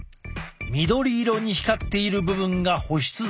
緑色に光っている部分が保湿剤だ。